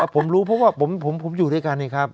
ผมรู้เพราะว่าผมอยู่ด้วยกันนี่ครับ